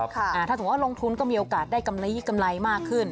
ถ้าสมมุติว่าลงทุนก็มีโอกาสได้กำไรมากขึ้น